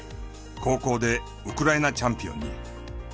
高校でウクライナチャンピオンに。